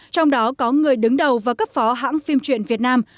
trong đó có người đứng đầu và cấp phó hãng phim truyện việt nam